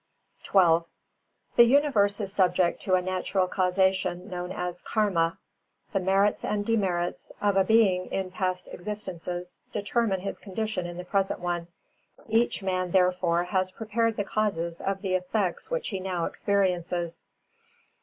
XII The universe is subject to a natural causation known as "Karma". The merits and demerits of a being in past existences determine his condition in the present one. Each man, therefore, has prepared the causes of the effects which he now experiences.